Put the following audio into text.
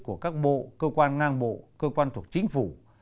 của các bộ cơ quan ngang bộ cơ quan thuộc chính phủ